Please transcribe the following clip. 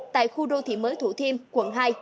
tại khu đô thị mới thủ thiêm quận hai